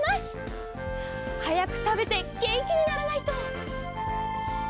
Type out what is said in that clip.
はやくたべてげんきにならないと。